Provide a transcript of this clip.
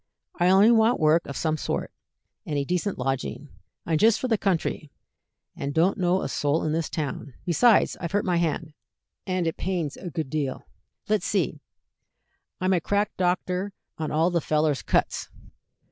"I only want work of some sort, and a decent lodging. I'm just from the country, and don't know a soul in this town; besides, I've hurt my hand, and it pains a good deal." "Let's see. I'm a crack doctor on all the fellers' cuts."